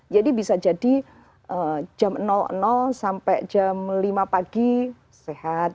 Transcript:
jadi bisa jadi jam sampai jam lima pagi sehat